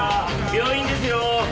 病院ですよ。